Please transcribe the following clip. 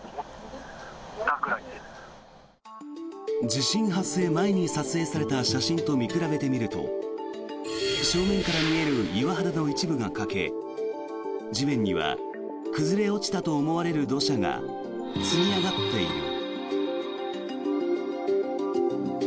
地震発生前に撮影された写真と見比べてみると正面から見える岩肌の一部が欠け地面には崩れ落ちたと思われる土砂が積み上がっている。